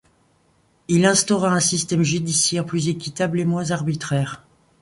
Il instaura un système judiciaire plus équitable et moins arbitraire.